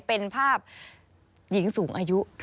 เป็นภาพหญิงสูงอายุ